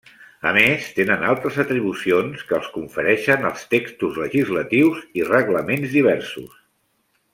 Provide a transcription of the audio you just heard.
A més tenen altres atribucions que els confereixen els textos legislatius i reglaments diversos.